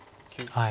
はい。